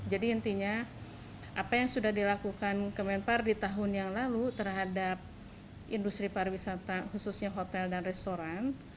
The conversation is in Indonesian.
jadi intinya apa yang sudah dilakukan kemenpar di tahun yang lalu terhadap industri pariwisata khususnya hotel dan restoran